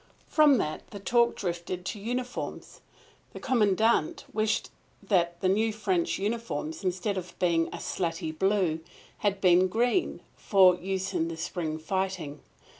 From that the talk drifted to uniforms. The Commandant wished that the new French uniforms, instead of being a slaty blue, had been green, for use in the spring fighting.